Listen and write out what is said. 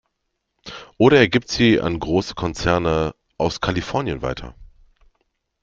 Oder er gibt sie an große Konzerne aus Kalifornien weiter.